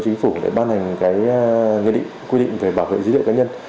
chính phủ đã ban hành cái quy định về bảo vệ dữ liệu cá nhân